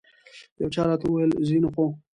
یو چا راته وویل ځینې خو.